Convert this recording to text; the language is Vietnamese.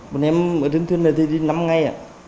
một em đứng trên này đi năm ngày